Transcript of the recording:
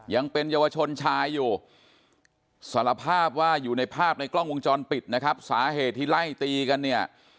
ยังเป็นเยาวชนชายอยู่สารภาพว่าอยู่ในภาพในกล้องวงจรปิดนะครับสาเหตุที่ไล่ตีกันเนี่ย